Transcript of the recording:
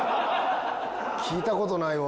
聞いた事ないわ。